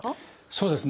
そうですね。